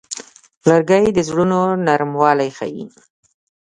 لرګی د زړونو نرموالی ښيي.